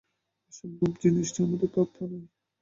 অসম্ভব জিনিসটা আমাদের প্রাপ্য নয়।